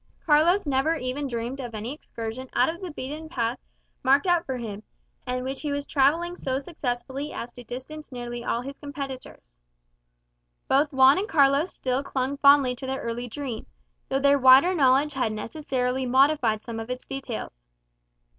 Carlos never even dreamed of any excursion out of the beaten path marked out for him, and which he was travelling so successfully as to distance nearly all his competitors. Both Juan and Carlos still clung fondly to their early dream; though their wider knowledge had necessarily modified some of its details.